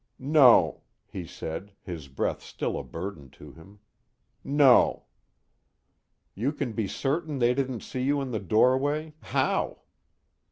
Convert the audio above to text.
"No," he said, his breath still a burden to him. "No." "You can be certain they didn't see you in the doorway how?"